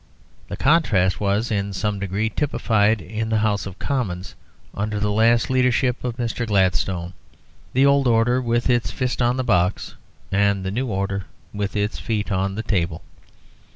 The contrast was in some degree typified in the House of Commons under the last leadership of Mr. Gladstone: the old order with its fist on the box, and the new order with its feet on the table.